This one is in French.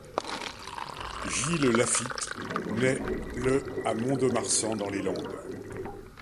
Gilles Lafitte naît le à Mont-de-Marsan, dans les Landes.